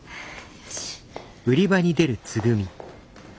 よし。